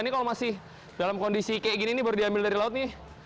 ini kalau masih dalam kondisi kayak gini ini baru diambil dari laut nih